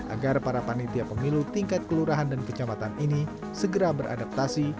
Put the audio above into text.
agar para panitia pemilu tingkat kelurahan dan kecamatan ini segera beradaptasi